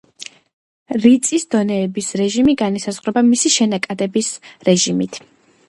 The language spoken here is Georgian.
რიწის დონეების რეჟიმი განისაზღვრება მისი შენაკადების რეჟიმით.